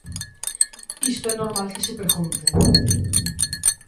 Isto é normal que se pregunte.